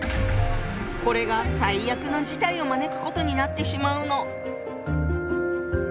これが最悪の事態を招くことになってしまうの。